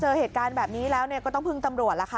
นี่พอเจอเหตุการณ์แบบนี้แล้วเนี่ยก็ต้องพึงตำรวจล่ะค่ะ